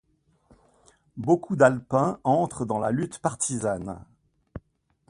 Beaucoup d'Alpins entrent dans la lutte partisane.